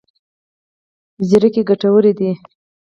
زیرکي ګټور دی.